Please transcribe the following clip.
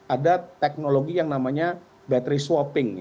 ada teknologi yang namanya battery swapping